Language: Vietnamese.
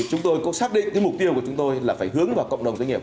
chúng tôi cũng xác định mục tiêu của chúng tôi là phải hướng vào cộng đồng doanh nghiệp